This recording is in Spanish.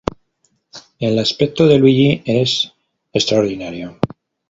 El aspecto de Luigi es extraordinario.